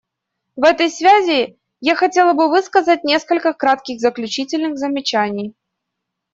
В этой связи я хотела бы высказать несколько кратких заключительных замечаний.